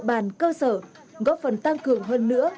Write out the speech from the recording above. bàn cơ sở góp phần tăng cường hơn nữa